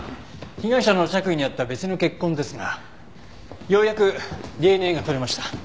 被害者の着衣にあった別の血痕ですがようやくＤＮＡが取れました。